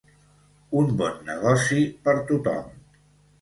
Un bon negoci per tothom.